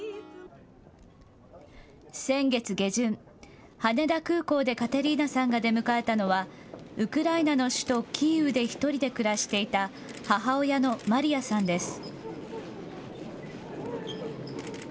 先月下旬、羽田空港でカテリーナさんが出迎えたのは、ウクライナの首都キーウで１人で暮らしていた母親のマリヤさんです。